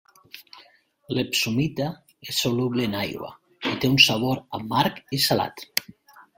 L'epsomita és soluble en aigua i té un sabor amarg i salat.